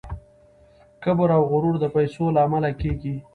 کبر او غرور د پیسو له امله کیږي.